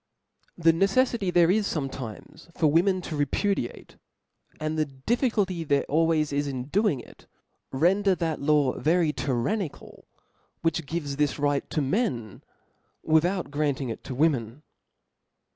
The neceffity there is fometimes for women to repudiate, and the difficulty there always is in doing it, render that law very tyrannical, which givei this right to men, without grafting it to Women.